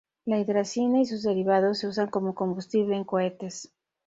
La hidracina y sus derivados se usan como combustible en cohetes.